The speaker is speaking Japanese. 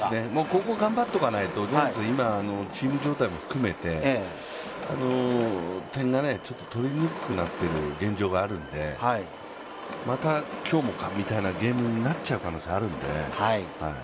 ここを頑張っておかないと、ジャイアンツ、今チーム状態も含めて点が取りにくくなっている現状があるのでまた今日もか、みたいなゲームになっちゃう可能性があるので。